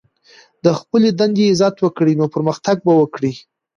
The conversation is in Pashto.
د خپلي دندې عزت وکړئ، نو پرمختګ به وکړئ!